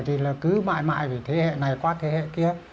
thì cứ mãi mãi thế hệ này qua thế hệ kia